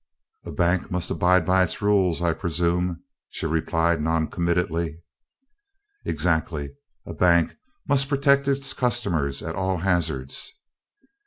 "A bank must abide by its rules, I presume," she replied noncommittally. "Exactly! A bank must protect its customers at all hazards."